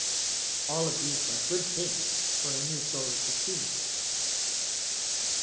All these were good things for a new soul to see.